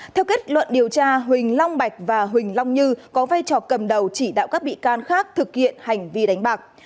theo kết luận điều tra huỳnh long bạch và huỳnh long như có vai trò cầm đầu chỉ đạo các bị can khác thực hiện hành vi đánh bạc